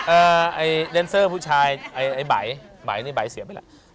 เอ่อไอเดนเซอร์ผู้ชายไอใบ๋ใบ๋เสียไปแล้ว